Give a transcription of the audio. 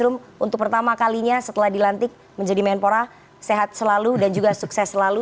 untuk pertama kalinya setelah dilantik menjadi menpora sehat selalu dan juga sukses selalu